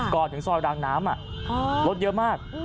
ก่อนถึงซอยรางน้ำรถเยอะมาก